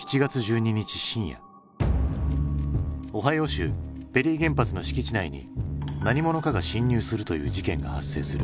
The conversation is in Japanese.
深夜オハイオ州ペリー原発の敷地内に何者かが侵入するという事件が発生する。